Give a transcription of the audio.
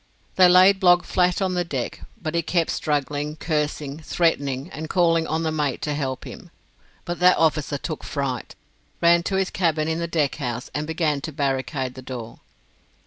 They laid Blogg flat on the deck, but he kept struggling, cursing, threatening, and calling on the mate to help him; but that officer took fright, ran to his cabin in the deckhouse, and began to barricade the door.